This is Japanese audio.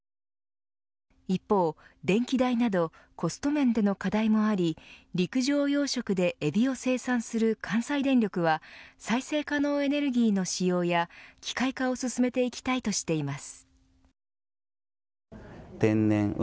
一方、電気代などコスト面での課題もあり陸上養殖でエビを生産する関西電力は再生可能エネルギーの使用や機械化を進めていきたいとしています。